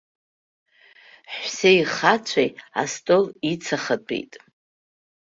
Ҳәсеи хацәеи астол ицахатәеит.